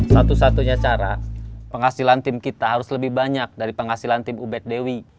satu satunya cara penghasilan tim kita harus lebih banyak dari penghasilan tim ubed dewi